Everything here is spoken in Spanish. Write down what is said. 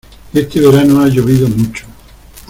Este verano ha llovido mucho.